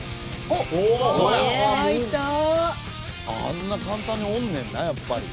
あんな簡単におんねんなやっぱり。